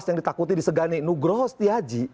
yang ditakuti di segani nugroho setiaji